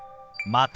「また」。